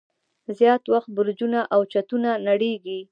زیات وخت برجونه او چتونه نړیږي.